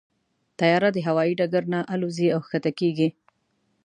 طیاره د هوايي ډګر نه الوزي او کښته کېږي.